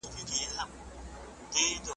پر سرو سکروټو پر اغزیو د بېدیا راځمه ,